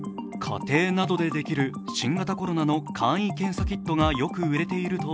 家庭などでできる新型コロナの簡易検査キットがよく売れていると